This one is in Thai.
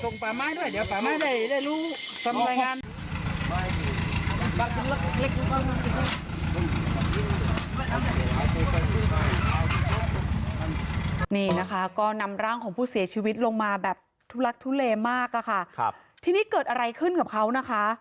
นี่นะคะก็นำร่างของผู้เสียชีวิตลงมาแบบทุลักทุเลมากอะค่ะทีนี้เกิดอะไรขึ้นกับเขานะคะ